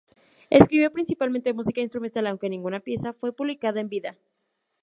Escribió principalmente música instrumental, aunque ninguna pieza fue publicada en vida.